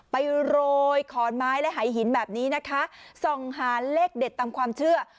โรยขอนไม้และหายหินแบบนี้นะคะส่องหาเลขเด็ดตามความเชื่อ